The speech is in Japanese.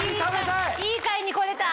いい回に来れた！